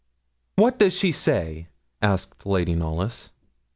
'What does she say?' asked Lady Knollys.